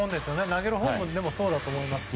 投げるほうもそうだと思います。